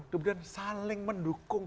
kemudian saling mendukung